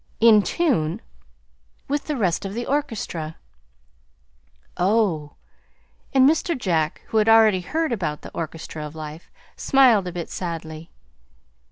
"In tune?" "With the rest of the Orchestra." "Oh!" And Mr. Jack, who had already heard about the "Orchestra of Life," smiled a bit sadly.